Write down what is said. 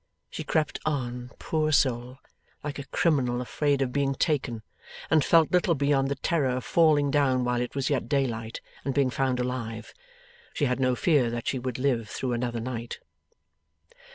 She crept on, poor soul, like a criminal afraid of being taken, and felt little beyond the terror of falling down while it was yet daylight, and being found alive. She had no fear that she would live through another night.